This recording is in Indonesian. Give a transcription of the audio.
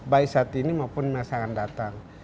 baik saat ini maupun masa akan datang